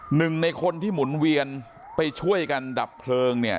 หนึ่งในคนที่หมุนเวียนไปช่วยกันดับเพลิงเนี่ย